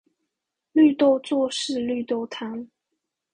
綠豆做事綠豆湯